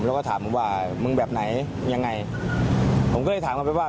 แล้วก็ถามผมว่ามึงแบบไหนยังไงผมก็เลยถามกลับไปว่า